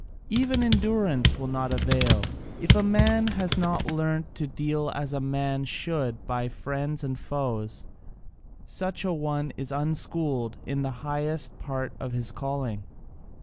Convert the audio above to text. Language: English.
Even endurance will not avail, if a man has not learnt to deal as a man should by friends and foes: such an one is unschooled in the highest part of his calling.